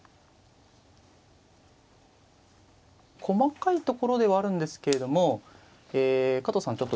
細かいところではあるんですけれども加藤さん